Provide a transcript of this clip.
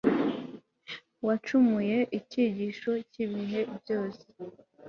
wacumuye icyigisho cyibihe byose